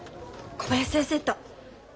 小林先生と。